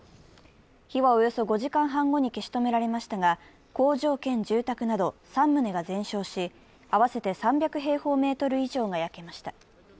火はおよそ５時間半後に消し止められましたが工場兼住宅など３棟が全焼し、合わせて３００平方メートル以上が焼けました。